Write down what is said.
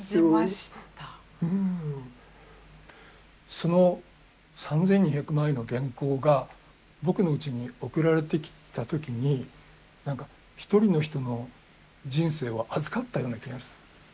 その３，２００枚の原稿が僕のうちに送られてきた時に何か一人の人の人生を預かったような気が。